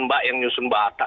mbak yang nyusul mbak atta